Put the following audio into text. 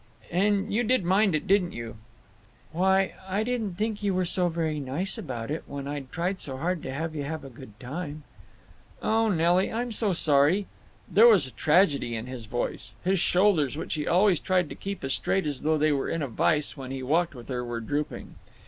"And you did mind it, didn't you?" "Why, I didn't think you were so very nice about it—when I'd tried so hard to have you have a good time—" "Oh, Nelly, I'm so sorry—" There was tragedy in his voice. His shoulders, which he always tried to keep as straight as though they were in a vise when he walked with her, were drooping.